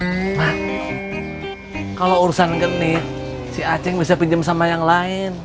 nah kalau urusan genit si acing bisa pinjam sama yang lain